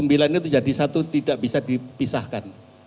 sembilan itu jadi satu tidak bisa dipisahkan